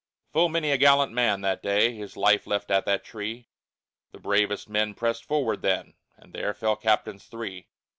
Full many a gallant man that day His life left at that tree, The bravest men pressed forward then, And there fell captains three.